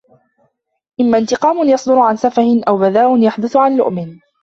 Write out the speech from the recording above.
إمَّا انْتِقَامٌ يَصْدُرُ عَنْ سَفَهٍ أَوْ بَذَاءٌ يَحْدُثُ عَنْ لُؤْمٍ